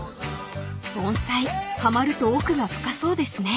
［盆栽はまると奥が深そうですね］